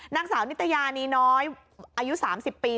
นางสาวนิตยานีน้อยอายุ๓๐ปี